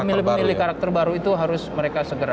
pemilih pemilih karakter baru itu harus mereka segera